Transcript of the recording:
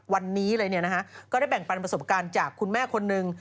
วันนี้เลยก็ได้แบ่งปันประสบการณ์จากคุณแม่คนนึง